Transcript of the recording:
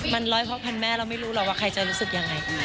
มันร้อยเพราะพันแม่เราไม่รู้หรอกว่าใครจะรู้สึกยังไง